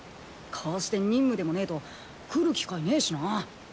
こうして任務でもねえと来る機会ねえしな。